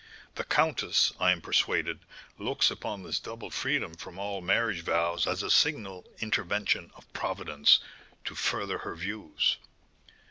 The countess, I am persuaded, looks upon this double freedom from all marriage vows as a signal intervention of Providence to further her views."